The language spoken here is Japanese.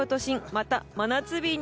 また真夏日に。